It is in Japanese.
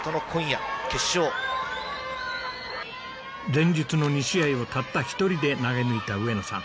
前日の２試合をたった一人で投げ抜いた上野さん。